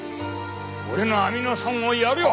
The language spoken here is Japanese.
俺のアミノ酸をやるよ」。